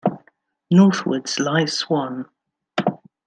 Northwards lies Swann.